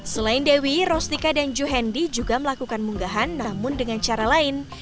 selain dewi rostika dan juhendi juga melakukan munggahan namun dengan cara lain